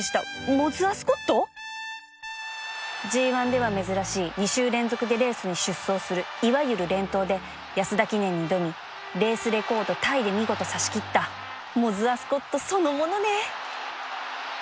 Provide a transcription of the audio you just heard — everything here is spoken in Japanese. ＧⅠ では珍しい２週連続でレースに出走するいわゆる連闘で安田記念に挑みレースレコードタイで見事差し切ったモズアスコットそのものね